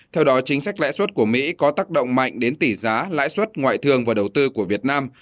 theo đó chính sách lãi suất của mỹ có tác động mạnh đến tỷ giá lãi suất ngoại thương và đầu tư của việt nam